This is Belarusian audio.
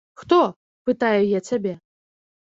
Хто, пытаю я цябе?